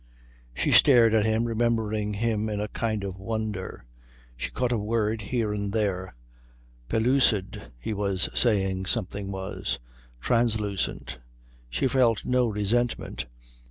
She stared at him, remembering him in a kind of wonder. She caught a word here and there: pellucid, he was saying something was, translucent. She felt no resentment.